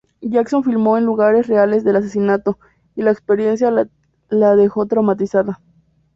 Jackson filmó en lugares reales del asesinato, y la experiencia la dejó traumatizada.